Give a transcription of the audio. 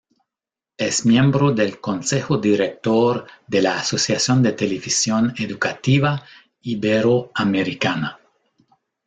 Es miembro del Consejo director de la Asociación de Televisión Educativa Iberoamericana.